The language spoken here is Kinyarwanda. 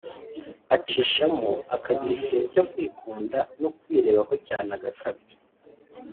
Acishamo akagira ikintu cyo kwikunda no kwirebaho cyane agakabya